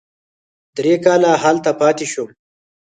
درې کاله هلته پاتې شوم.